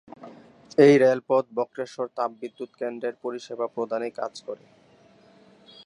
এই রেলপথ বক্রেশ্বর তাপবিদ্যুৎ কেন্দ্রের পরিষেবা প্রদানের কাজ করে।